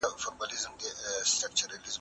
خپل کور تل د دوړو څخه پاک ساتئ.